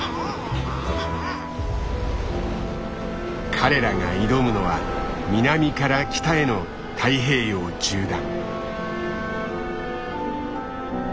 彼らが挑むのは南から北への太平洋縦断。